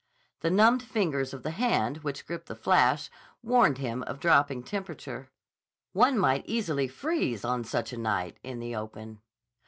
The numbed fingers of the hand which gripped the flash warned him of dropping temperature. One might easily freeze on such a night, in the open.